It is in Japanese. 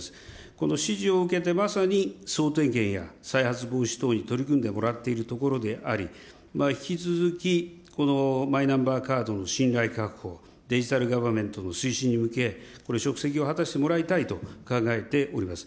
この指示を受けてまさに、総点検や再発防止等に取り組んでもらっているところであり、引き続きマイナンバーカードの信頼確保、デジタルガバメントの推進に向け、職責を果たしてもらいたいと考えております。